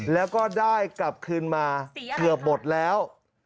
แล้วก็ได้กลับคืนมาเกือบหมดแล้ว